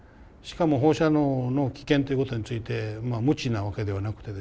しかも放射能の危険ということについて無知なわけではなくてですね